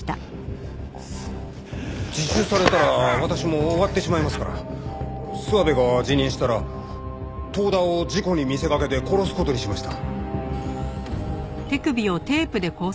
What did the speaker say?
自首されたら私も終わってしまいますから諏訪部が辞任したら遠田を事故に見せかけて殺す事にしました。